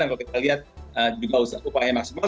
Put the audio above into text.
dan kalau kita lihat juga usaha upaya maksimal